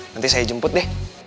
nanti saya jemput deh